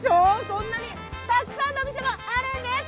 こんなにたくさんのお店もあるんです！